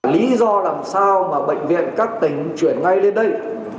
lý do làm sao mà bệnh viện các tỉnh chuyển ngay lên đây